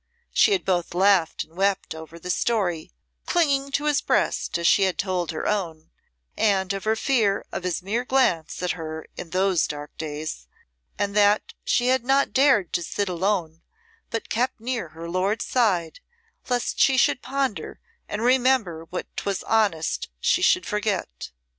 She had both laughed and wept over the story, clinging to his breast as she had told her own, and of her fear of his mere glance at her in those dark days, and that she had not dared to sit alone but kept near her lord's side lest she should ponder and remember what 'twas honest she should forget.